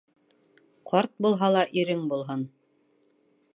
Ҡарт булһа ла ирең булһын